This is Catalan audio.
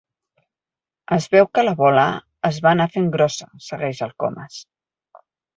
Es veu que la bola es va anar fent grossa —segueix el Comas—.